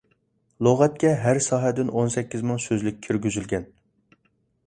لۇغەتكە ھەر ساھەدىن ئون سەككىز مىڭ سۆزلۈك كىرگۈزۈلگەن.